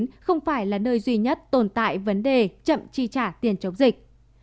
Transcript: hồi sức covid một mươi chín không phải là nơi duy nhất tồn tại vấn đề chậm chi trả tiền chống dịch